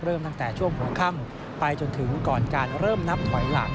ตั้งแต่ช่วงหัวค่ำไปจนถึงก่อนการเริ่มนับถอยหลัง